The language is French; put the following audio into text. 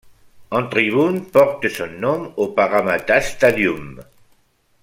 Un tribune porte son nom au Parramatta Stadium.